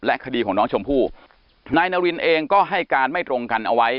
คดีของน้องชมพู่นายนารินเองก็ให้การไม่ตรงกันเอาไว้